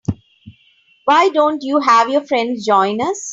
Why don't you have your friends join us?